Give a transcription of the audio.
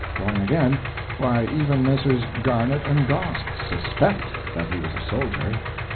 (Wrong again. Why, even Messrs. Garnett and Gosse "suspect" that he was a soldier!)